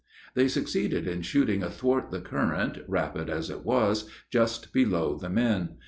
They succeeded in shooting athwart the current, rapid as it was, just below the men.